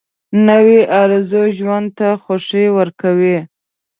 نوې ارزو ژوند ته خوښي ورکوي